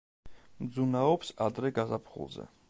მძუნაობს ადრე გაზაფხულზე.